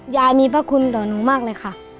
ยายมีพระคุณต่อหนูมากเลยค่ะ